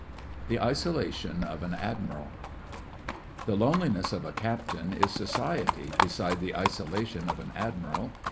THE ISOLATION OF AN ADMIRAL The loneliness of a Captain is society beside the isolation of an Admiral.